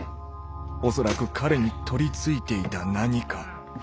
恐らく彼に取り憑いていた「何か」。